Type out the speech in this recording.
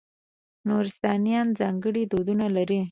نورستانیان ځانګړي دودونه لري.